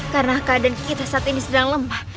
karena kak dan kita saat ini sedang lemah